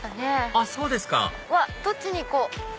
あっそうですかどっちに行こう？